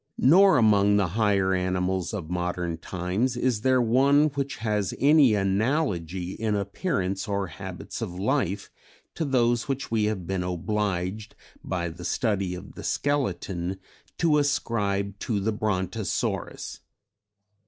Nor among the higher animals of modern times is there one which has any analogy in appearance or habits of life to those which we have been obliged by the study of the skeleton to ascribe to the Brontosaurus.